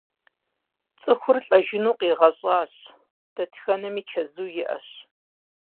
ЦӀыхур лӀэжыну къигъэщӀащ, дэтхэнэми чэзу иӀэщ.